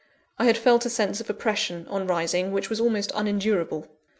I had felt a sense of oppression, on rising, which was almost unendurable.